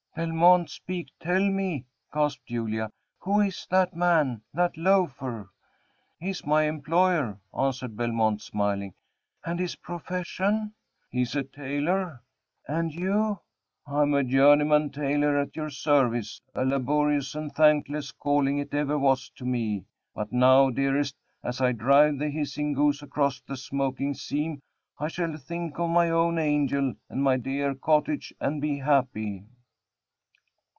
"Belmont, speak tell me," gasped Julia, "who is that man that loafer?" "He is my employer," answered Belmont, smiling. "And his profession?" "He is a tailor." "And you?" "Am a journeyman tailor, at your service a laborious and thankless calling it ever was to me but now, dearest, as I drive the hissing goose across the smoking seam, I shall think of my own angel and my dear cottage, and be happy."